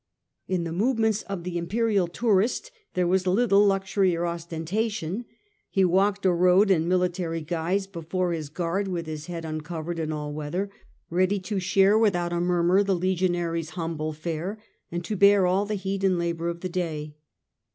In the movements of the imperial tourist there was little luxury or ostentation. He walked or rode in military guise before his guard, with his head un covered in all weather, ready to share without a murmur the legionary^s humble fare, and to bear all the heat and labour of the day.